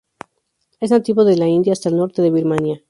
Es nativo de India hasta el norte de Birmania.